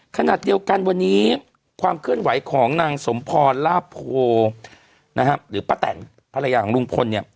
ขณะเดียวกันวันนี้ความเคลื่อนไหวของนางสมพรลาโพหรือป้าแตนภรรยาของลุงพลเนี่ย